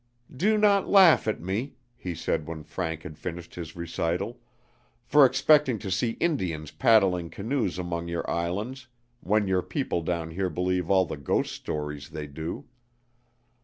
"Do not laugh at me," he said when Frank had finished his recital, "for expecting to see Indians paddling canoes among your islands when your people down here believe all the ghost stories they do.